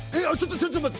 ちょっと待って！